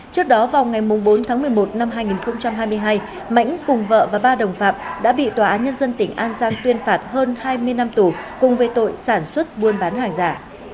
trước đó vào ngày bốn tháng một mươi một năm hai nghìn hai mươi hai mãnh cùng vợ và ba đồng phạm đã bị tòa án nhân dân tỉnh an giang tuyên phạt hơn hai mươi năm tù cùng với tội sản xuất buôn bán hàng giả